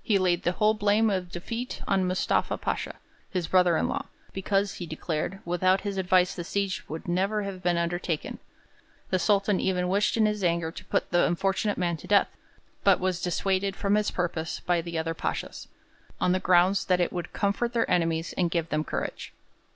He laid the whole blame of defeat on Mustafa Pasha, his brother in law, because, he declared, without his advice the siege would never have been undertaken. The Sultan even wished in his anger to put the unfortunate man to death, but was dissuaded from his purpose by the other pashas, on the ground that 'it would comfort their enemies and give them courage.'